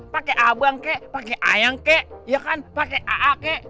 pakai abang kek pakai ayang kek ya kan pakai aak kek